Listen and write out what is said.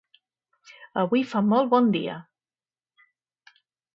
Avui fa molt bon dia!